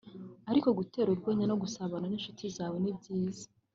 ariko gutera urwenya no gusabana n’incuti zawe ni byiza